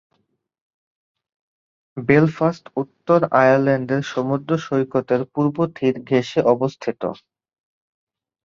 Belfast উত্তর আয়ারল্যান্ডের সমুদ্র সৈকতের পূর্ব তীর ঘেষে অবস্থিত।